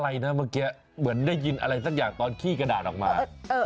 อะไรนะเมื่อกี้เหมือนได้ยินอะไรสักอย่างตอนขี้กระดาษออกมา